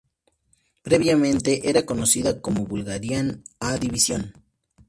Previamente era conocida como Bulgarian A Division.